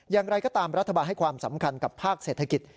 อย่างไรก็ตามรัฐบาลให้ความสำคัญกับภาคเศรษฐกิจ